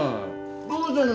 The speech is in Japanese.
どうしたの？